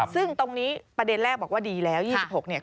ซึ่งตรงนี้ประเด็นแรกบอกว่าดีแล้ว๒๖เนี่ย